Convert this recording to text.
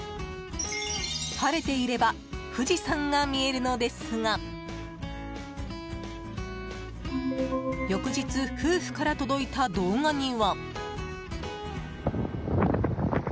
晴れていれば富士山が見えるのですが翌日、夫婦から届いた動画には。